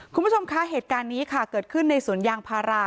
คุณผู้ชมคะเหตุการณ์นี้ค่ะเกิดขึ้นในสวนยางพารา